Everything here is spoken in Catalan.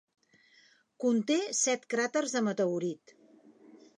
Conté set cràters de meteorit.